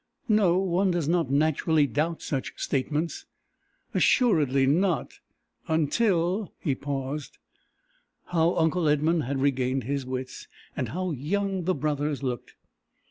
"No. One does not naturally doubt such statements." "Assuredly not until " He paused. How uncle Edmund had regained his wits! And how young the brothers looked!